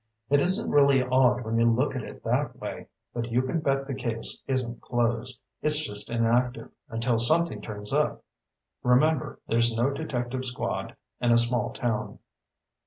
"It isn't really odd when you look at it that way. But you can bet the case isn't closed. It's just inactive, until something turns up. Remember there's no detective squad in a small town."